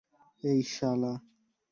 এই, শালা।